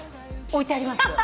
置いてありますよ。